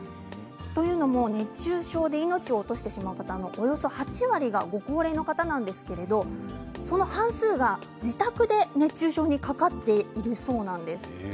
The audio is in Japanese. というのも熱中症で命を落としてしまう方のおよそ８割がご高齢の方なんですけれど半数が自宅で熱中症にかかっているそうなんです。